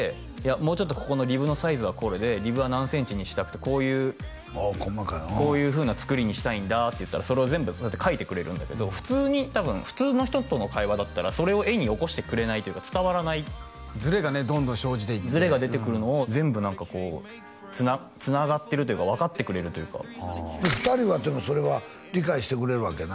もうちょっとここのリブのサイズはこれでリブは何センチにしたくてこういうああ細かいこういう風な作りにしたいんだって言ったらそれを全部描いてくれるんだけど普通に多分普通の人との会話だったらそれを絵に起こしてくれないというか伝わらないズレがねどんどん生じていってズレが出てくるのを全部何かこうつながってるというか分かってくれるというかはあ２人はでもそれは理解してくれるわけやな？